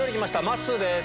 まっすーです。